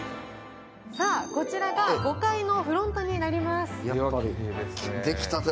こちらが５階のフロントになります。